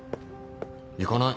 行かない！